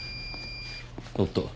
おっと。